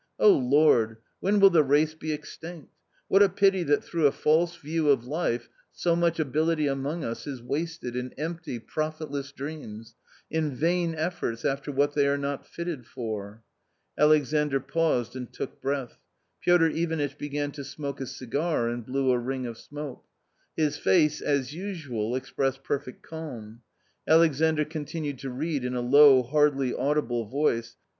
Oh, Lord, when will the race be extinct? What a pity that through a false view of life so much ability among us is wasted in empty, profitless dreams, in vain efforts after what they are not fitted for." Alexandr paused and took breath. Piotr Ivanitch began to smoke a cigar and blew a ring of smoke. His face, as usual, expressed perfect calm. Alexandr continued to read in a low, hardly audible voice.